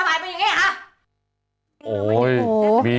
มันเป็นอย่างเง่อไง